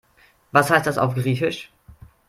Was heißt das auf Griechisch?